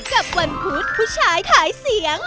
กับวันพุธผู้ชายขายเสียง